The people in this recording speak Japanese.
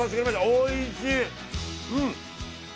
おいしい！